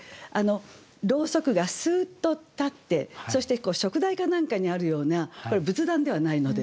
ロウソクがスーッと立ってそして燭台か何かにあるようなこれ仏壇ではないので。